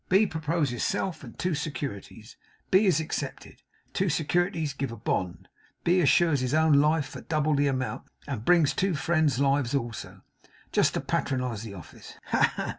B proposes self and two securities. B is accepted. Two securities give a bond. B assures his own life for double the amount, and brings two friends' lives also just to patronize the office. Ha ha, ha!